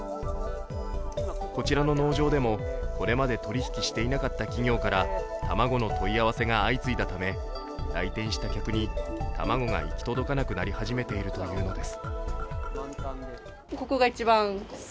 こちらの農場でも、これまで取り引きしていなかった企業から卵の問い合わせが相次いだため来店した客に卵が行き届かなくなり始めているというのです。